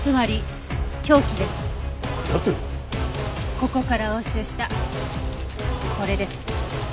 ここから押収したこれです。